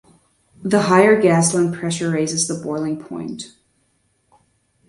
The higher gasoline pressure raises the boiling point.